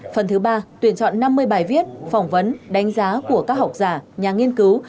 phần thứ ba tuyển chọn năm mươi bài viết phỏng vấn đánh giá của các học giả nhà nghiên cứu